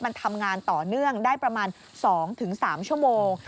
มันทำงานต่อเนื่องได้ประมาณ๒๓ชั่วโมง